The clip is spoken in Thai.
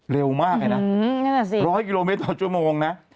เร็วมากเลยนะ๑๐๐กิโลเมตรต่อชั่วโมงนะ